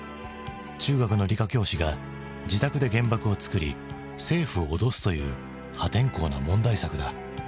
中学の理科教師が自宅で原爆を作り政府を脅すという破天荒な問題作だ。